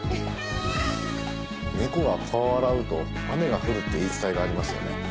猫が顔を洗うと雨が降るって言い伝えがありますよね。